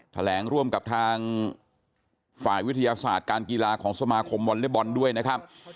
แถลงร่วมกับทางฝ่ายวิทยาศาสตร์การกีฬาของสมาคมวอเล็กบอลด้วยนะครับ